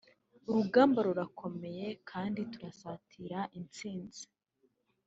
urugamba rurakomeye kandi turasatira intsinzi